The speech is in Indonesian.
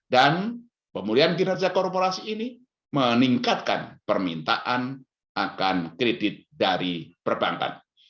dan pemulihan kinerja korporasi ini meningkatkan permintaan akan kredit dari perbankan